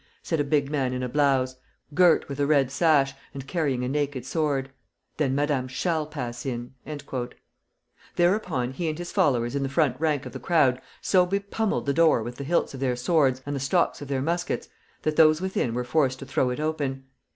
said a big man in a blouse, girt with a red sash, and carrying a naked sword; "then Madame shall pass in!" Thereupon he and his followers in the front rank of the crowd so bepummelled the door with the hilts of their swords and the stocks of their muskets that those within were forced to throw it open.